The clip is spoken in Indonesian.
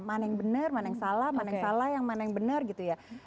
mana yang benar mana yang salah mana yang salah yang mana yang benar gitu ya